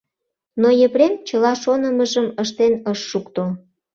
Но Епрем чыла шонымыжым ыштен ыш шукто.